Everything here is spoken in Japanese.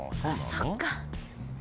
そっか。